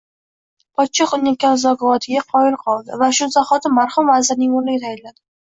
Podshoh uning aql-zakovatiga qoyil qoldi va shu zahoti marhum vazirining o`rniga tayinladi